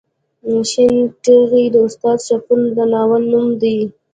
شین ټاغی د استاد شپون د ناول نوم دی.